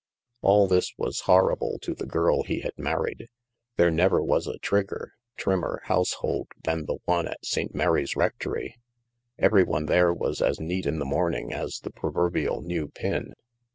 All this was horrible to the girl he had married. There never was a trigger, trimmer household than the one at St. Mary's Rectory. Every one there was as neat in the morning as the proverbial new pin.